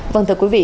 vâng thưa quý vị